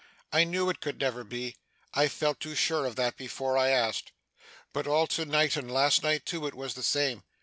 'I knew it could never be, I felt too sure of that, before I asked! But, all to night, and last night too, it was the same.